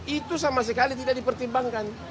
itu sama sekali tidak dipertimbangkan